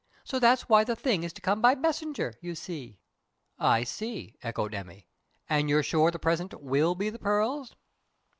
So that's why the thing is to come by messenger, you see." "I see," echoed Emmy. "And you're sure the present will be the pearls?"